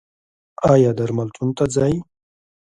ایا درملتون ته ځئ؟